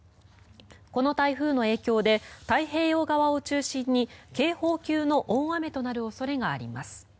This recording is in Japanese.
この台風の影響で太平洋側を中心に警報級の大雨となる恐れがあります。